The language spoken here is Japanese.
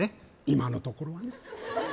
今のところは？